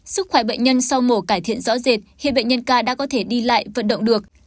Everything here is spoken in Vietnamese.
sức khỏe bệnh nhân sau mổ cải thiện rõ rệt hiện bệnh nhân k đã có thể đi lại vận động được